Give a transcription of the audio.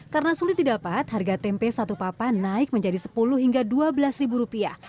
karena sulit didapat harga tempe satu papan naik menjadi sepuluh hingga dua belas ribu rupiah